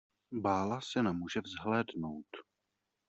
Bála se na muže vzhlédnout.